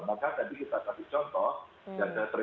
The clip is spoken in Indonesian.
maka tadi kita kasih contoh